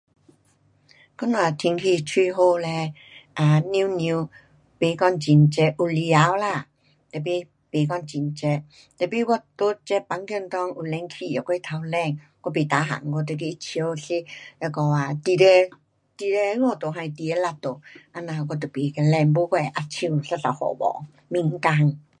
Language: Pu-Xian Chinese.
今天气很好嘞 um 凉凉,不讲太热，有太阳啦 tapi 不讲太热 tapi 我在这房间里有冷气的，过头冷，我不 tahan，我就跟它跳小去那个啊二十，二十五度还是二十六度，这样哈我就不被冷，没我会 ah chiu 一直咳嗽敏感。